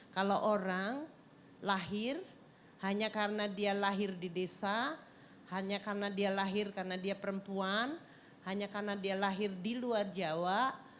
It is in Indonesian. kalau orang lahir hanya karena dia lahir di desa hanya karena dia lahir karena dia perempuan hanya karena dia lahir di luar jawa